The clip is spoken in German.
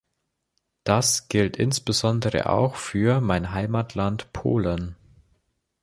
Das gilt insbesondere auch für mein Heimatland Polen.